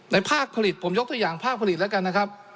ภาคผลิตผมยกตัวอย่างภาคผลิตแล้วกันนะครับ